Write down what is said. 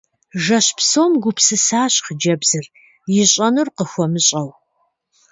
Жэщ псом гупсысащ хъыджэбзыр, ищӀэнур къыхуэмыщӀэу.